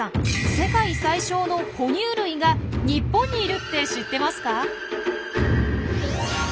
世界最小のほ乳類が日本にいるって知ってますか？